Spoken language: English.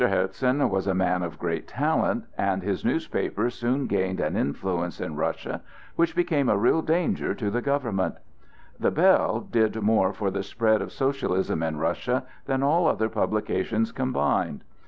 Herzen was a man of great talent, and his newspaper soon gained an influence in Russia which became a real danger to the government. "The Bell" did more for the spread of socialism in Russia than all other publications combined.